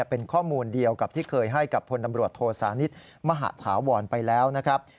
เป็นข้อมูลเดียวกับที่เคยให้กับพลตำรวจโทษานิทมหาธาวรไปแล้วนะครับ